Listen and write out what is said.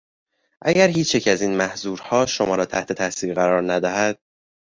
اگر هیچیک از این محضورها شما را تحت تاثیر قرار ندهد